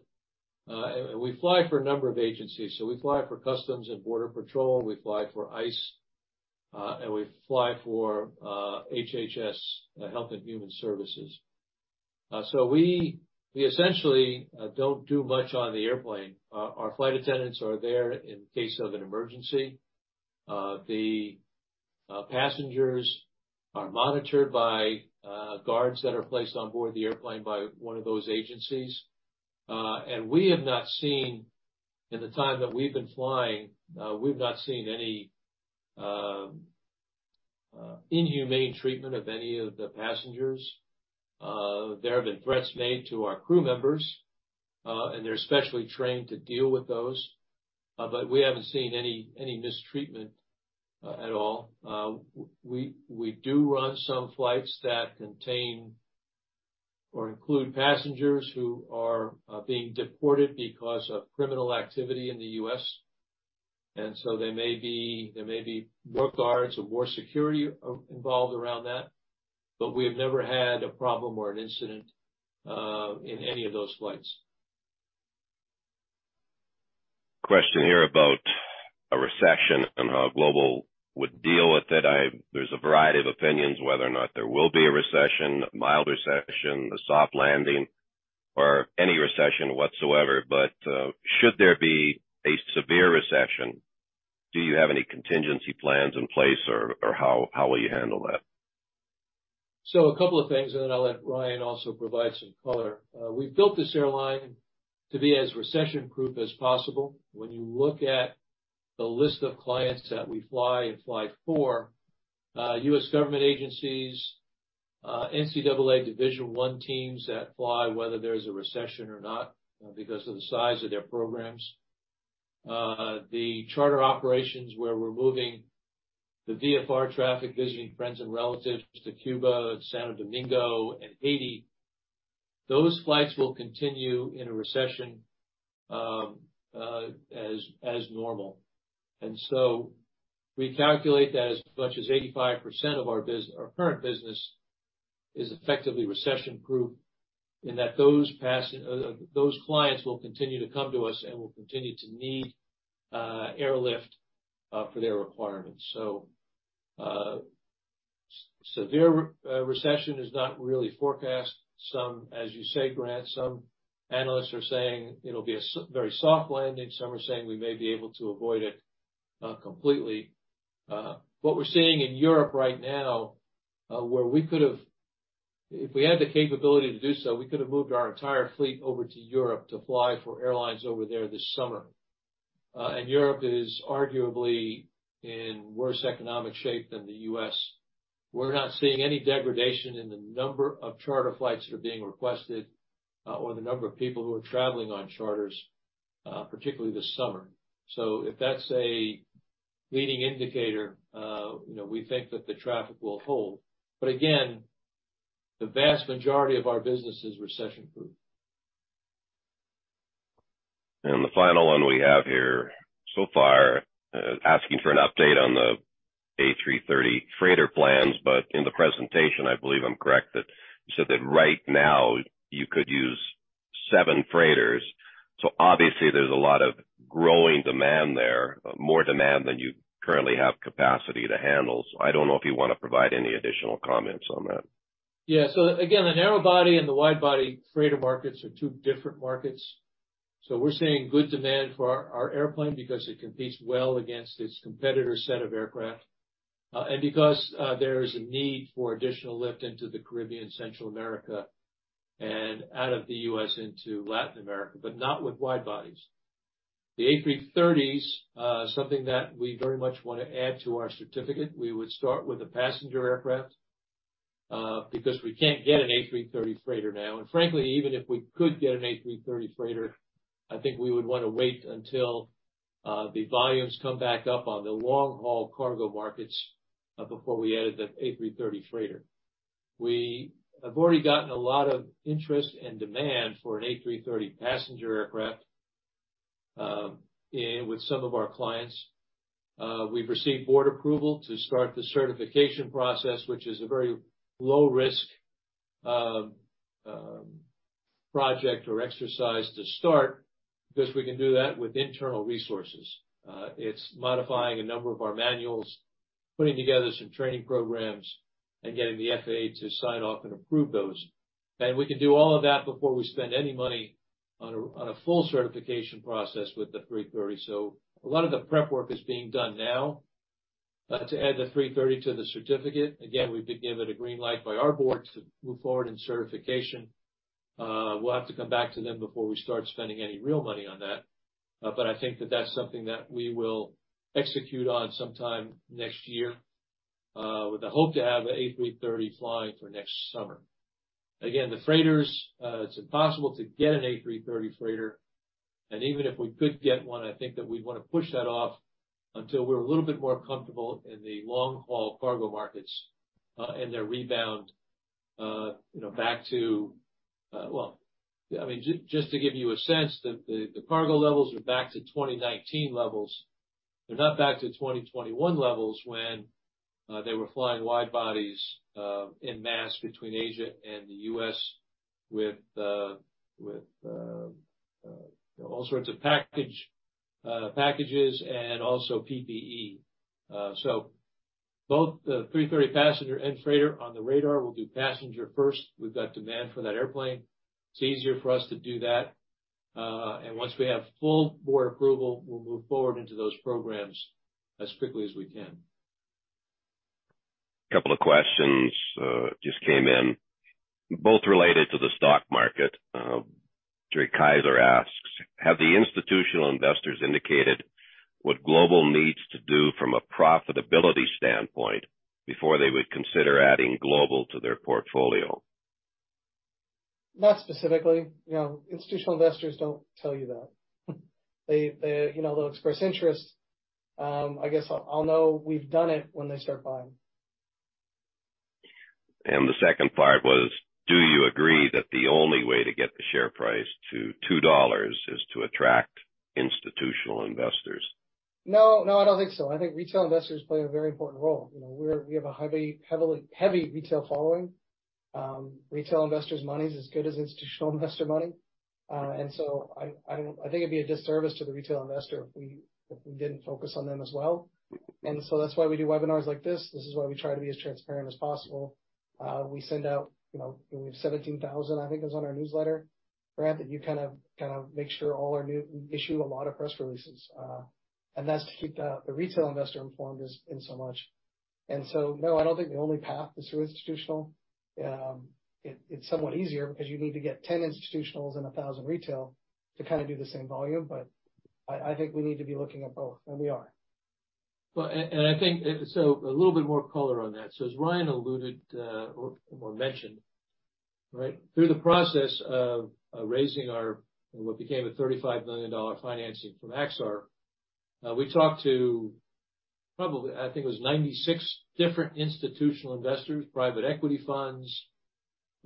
and we fly for a number of agencies, so we fly for Customs and Border Protection, we fly for ICE, and we fly for HHS, Health and Human Services. We, we essentially don't do much on the airplane. Our, our flight attendants are there in case of an emergency. The passengers are monitored by guards that are placed on board the airplane by one of those agencies. And we have not seen, in the time that we've been flying, we've not seen any inhumane treatment of any of the passengers. There have been threats made to our crew members, and they're specially trained to deal with those, but we haven't seen any, any mistreatment at all. We, we do run some flights that contain or include passengers who are being deported because of criminal activity in the U.S. There may be, there may be more guards or more security involved around that. We have never had a problem or an incident in any of those flights. Question here about a recession and how Global would deal with it. There's a variety of opinions, whether or not there will be a recession, a mild recession, a soft landing, or any recession whatsoever. Should there be a severe recession, do you have any contingency plans in place or how, how will you handle that? A couple of things, and then I'll let Ryan also provide some color. We've built this airline to be as recession-proof as possible. When you look at the list of clients that we fly and fly for, U.S. government agencies, NCAA Division I teams that fly, whether there's a recession or not, because of the size of their programs. The charter operations where we're moving the VFR traffic, visiting friends and relatives to Cuba, Santo Domingo, and Haiti, those flights will continue in a recession as normal. We calculate that as much as 85% of our current business is effectively recession-proof, and that those clients will continue to come to us and will continue to need airlift for their requirements. Severe recession is not really forecast. Some, as you say, Grant, some analysts are saying it'll be a very soft landing. Some are saying we may be able to avoid it completely. What we're seeing in Europe right now, where we could have if we had the capability to do so, we could have moved our entire fleet over to Europe to fly for airlines over there this summer. Europe is arguably in worse economic shape than the U.S. We're not seeing any degradation in the number of charter flights that are being requested, or the number of people who are traveling on charters, particularly this summer. If that's a leading indicator, you know, we think that the traffic will hold, but again, the vast majority of our business is recession-proof. The final one we have here, so far, asking for an update on the A330 freighter plans. In the presentation, I believe I'm correct, that you said that right now you could use seven freighters. Obviously there's a lot of growing demand there, more demand than you currently have capacity to handle. I don't know if you want to provide any additional comments on that. Yeah. Again, the narrow-body and the wide-body freighter markets are two different markets. We're seeing good demand for our, our airplane because it competes well against its competitor set of aircraft. Because there is a need for additional lift into the Caribbean, Central America, and out of the U.S. into Latin America, but not with wide-bodies. The A330s, something that we very much want to add to our certificate. We would start with a passenger aircraft, because we can't get an A330 freighter now. Frankly, even if we could get an A330 freighter, I think we would want to wait until the volumes come back up on the long-haul cargo markets, before we added that A330 freighter. We have already gotten a lot of interest and demand for an A330 passenger aircraft, in with some of our clients. We've received Board approval to start the certification process, which is a very low risk project or exercise to start because we can do that with internal resources. It's modifying a number of our manuals, putting together some training programs, and getting the FAA to sign off and approve those. We can do all of that before we spend any money on a, on a full certification process with the A330. A lot of the prep work is being done now to add the A330 to the certificate. Again, we've been given a green light by our board to move forward in certification. We'll have to come back to them before we start spending any real money on that. I think that that's something that we will execute on sometime next year, with the hope to have an A330 flying for next summer. Again, the freighters, it's impossible to get an A330 freighter, and even if we could get one, I think that we'd want to push that off until we're a little bit more comfortable in the long-haul cargo markets, and their rebound, you know, back to. Well, I mean, just to give you a sense, the, the, the cargo levels are back to 2019 levels. They're not back to 2021 levels when they were flying wide bodies en masse between Asia and the U.S., with all sorts of package packages and also PPE. Both the A330 passenger and freighter on the radar, we'll do passenger first. We've got demand for that airplane. It's easier for us to do that. Once we have full board approval, we'll move forward into those programs as quickly as we can. A couple of questions, just came in, both related to the stock market. Jerry Kaiser asks: Have the institutional investors indicated what Global needs to do from a profitability standpoint before they would consider adding Global to their portfolio? Not specifically. You know, institutional investors don't tell you that. They, you know, they'll express interest. I guess I'll know we've done it when they start buying. The second part was: Do you agree that the only way to get the share price to $2 is to attract institutional investors? No, no, I don't think so. I think retail investors play a very important role. You know, we have a heavy, heavily, heavy retail following. Retail investors' money is as good as institutional investor money. So I think it'd be a disservice to the retail investor if we, if we didn't focus on them as well. So that's why we do webinars like this. This is why we try to be as transparent as possible. We send out, you know, we have 17,000, I think, is on our newsletter. Grant, that you kind of, kind of make sure all our we issue a lot of press releases, and that's to keep the, the retail investor informed as, in so much. So, no, I don't think the only path is through institutional. It's somewhat easier because you need to get 10 institutionals and 1,000 retail to kind of do the same volume, but I, I think we need to be looking at both, and we are. I think, so a little bit more color on that. As Ryan alluded or mentioned, right? Through the process of raising our, what became a $35 million financing from Axar, we talked to probably, I think it was 96 different institutional investors, private equity funds,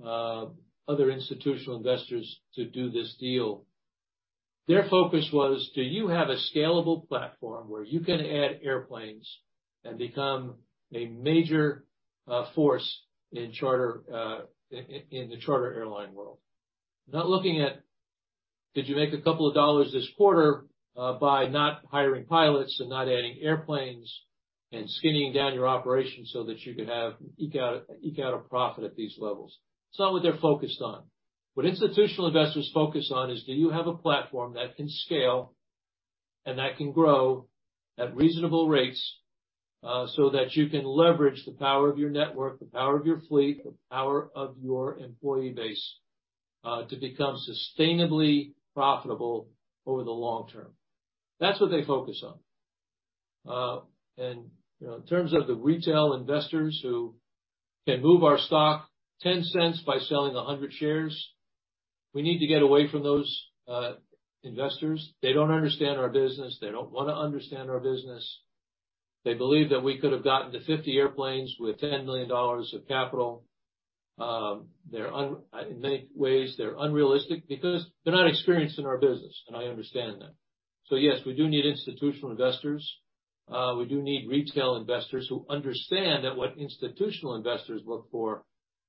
other institutional investors to do this deal. Their focus was: Do you have a scalable platform where you can add airplanes and become a major force in charter in the charter airline world? Not looking at, did you make a couple of dollars this quarter by not hiring pilots and not adding airplanes and skinnying down your operations so that you could eke out a profit at these levels. It's not what they're focused on. What institutional investors focus on is: Do you have a platform that can scale and that can grow at reasonable rates, so that you can leverage the power of your network, the power of your fleet, the power of your employee base, to become sustainably profitable over the long term? That's what they focus on. You know, in terms of the retail investors who can move our stock $0.10 by selling 100 shares, we need to get away from those investors. They don't understand our business. They don't wanna understand our business. They believe that we could have gotten to 50 airplanes with $10 million of capital. In many ways, they're unrealistic because they're not experienced in our business, and I understand that. Yes, we do need institutional investors. We do need retail investors who understand that what institutional investors look for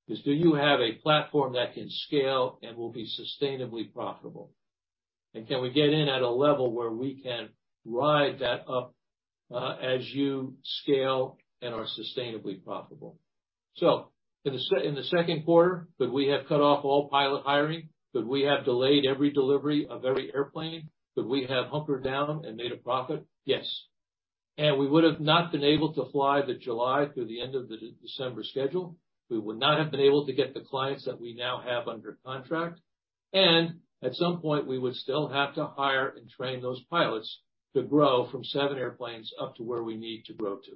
is: Do you have a platform that can scale and will be sustainably profitable? Can we get in at a level where we can ride that up as you scale and are sustainably profitable? In the second quarter, could we have cut off all pilot hiring? Could we have delayed every delivery of every airplane? Could we have hunkered down and made a profit? Yes. We would have not been able to fly the July through the end of the December schedule. We would not have been able to get the clients that we now have under contract, and at some point, we would still have to hire and train those pilots to grow from seven airplanes up to where we need to grow to.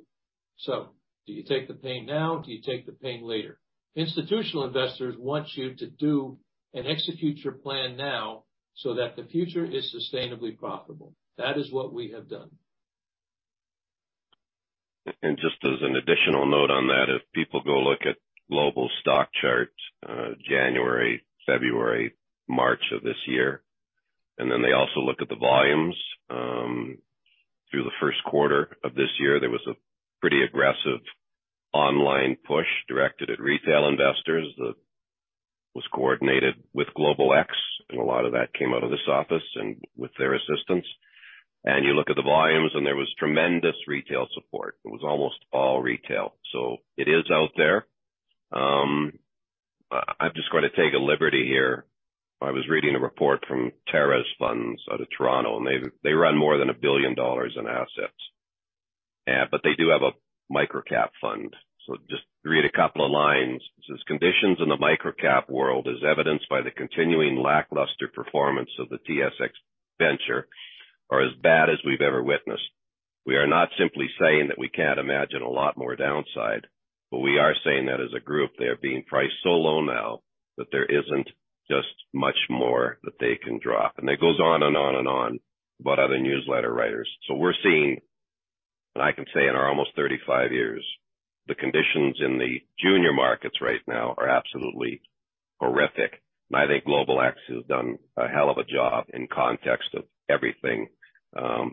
Do you take the pain now or do you take the pain later? Institutional investors want you to do and execute your plan now so that the future is sustainably profitable. That is what we have done. Just as an additional note on that, if people go look at GlobalX stock charts, January, February, March of this year, and then they also look at the volumes, through the first quarter of this year, there was a pretty aggressive online push directed at retail investors that was coordinated with GlobalX, and a lot of that came out of this office and with their assistance. You look at the volumes, and there was tremendous retail support. It was almost all retail. It is out there. I'm just going to take a liberty here. I was reading a report from Terra Nova Funds out of Toronto, and they, they run more than a billion dollars in assets. They do have a micro-cap fund. Just read a couple of lines. It says, "Conditions in the micro-cap world, as evidenced by the continuing lackluster performance of the TSX Venture, are as bad as we've ever witnessed. We are not simply saying that we can't imagine a lot more downside, but we are saying that as a group, they are being priced so low now that there isn't just much more that they can drop." It goes on and on and on about other newsletter writers. We're seeing, and I can say in our almost 35 years, the conditions in the junior markets right now are absolutely horrific, and I think GlobalX has done a hell of a job in context of everything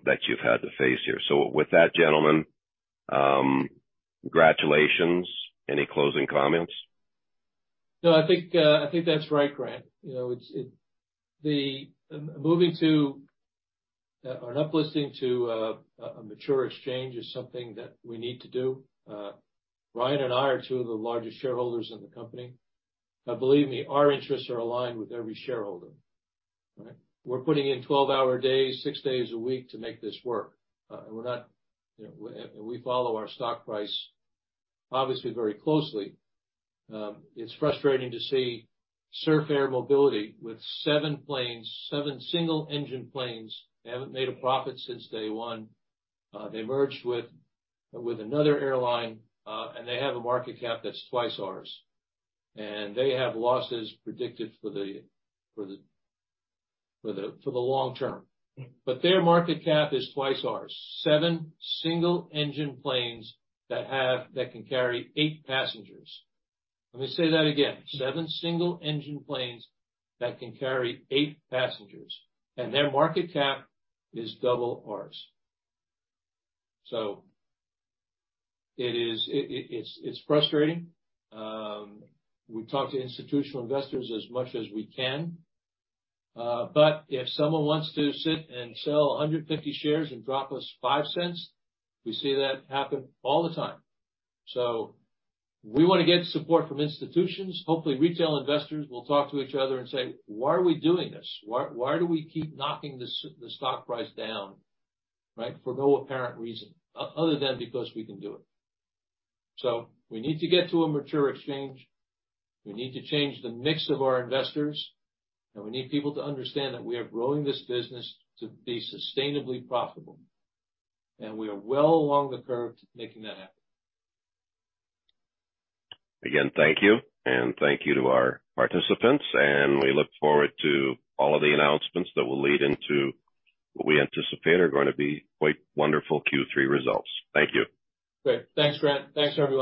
that you've had to face here. With that, gentlemen, congratulations. Any closing comments? No, I think, I think that's right, Grant. You know, it's. The moving to an uplisting to a mature exchange is something that we need to do. Ryan and I are two of the largest shareholders in the company. Believe me, our interests are aligned with every shareholder. Right? We're putting in 12-hour days, six days a week to make this work. We're not, you know, we follow our stock price, obviously, very closely. It's frustrating to see Surf Air Mobility with seven planes, seven single-engine planes. They haven't made a profit since day one. They merged with another airline. They have a market cap that's twice ours. They have losses predicted for the long term. Their market cap is twice ours. Seven single-engine planes that have, that can carry eight passengers. Let me say that again. Seven single-engine planes that can carry eight passengers. Their market cap is double ours. It"s frustrating. We talk to institutional investors as much as we can, but if someone wants to sit and sell 150 shares and drop us $0.05, we see that happen all the time. We want to get support from institutions. Hopefully, retail investors will talk to each other and say: Why are we doing this? Why, why do we keep knocking the stock price down, right, for no apparent reason, other than because we can do it? We need to get to a mature exchange, we need to change the mix of our investors, and we need people to understand that we are growing this business to be sustainably profitable, and we are well along the curve to making that happen. Again, thank you, and thank you to our participants, and we look forward to all of the announcements that will lead into what we anticipate are going to be quite wonderful Q3 results. Thank you. Great. Thanks, Grant. Thanks, everyone.